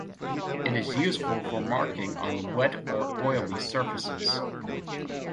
It is useful for marking on wet or oily surfaces.